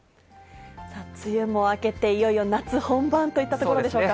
梅雨も明けて、いよいよ夏本番といったところでしょうか。